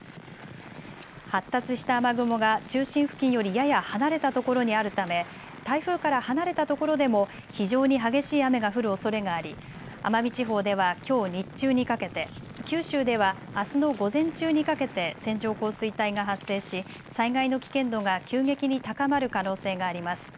発達した雨雲が中心付近よりやや離れたところにあるため台風から離れたところでも非常に激しい雨が降るおそれがあり奄美地方ではきょう日中にかけて、九州ではあすの午前中にかけて線状降水帯が発生し災害の危険度が急激に高まる可能性があります。